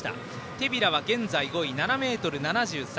手平は現在５位、７ｍ７３。